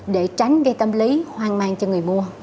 để tránh gây tâm lý hoang mang cho người mua